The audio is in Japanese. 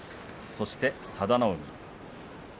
そして佐田の海。